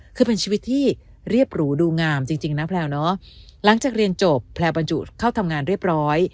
คือเป็นชีวิตที่เรียบหรูดูงามจริงนะแพลวเนอะหลังจากเรียนจบแพลวบรรจุเข้าทำงานเรียบร้อย